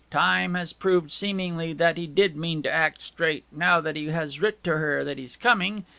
Time has proved seemingly that he did mean to act straight, now that he has writ to her that he's coming.